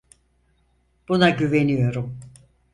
Buna güveniyorum.